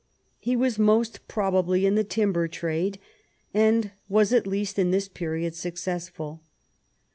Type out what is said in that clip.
He was most probably in the timber trade, and was, at least at this period, successful.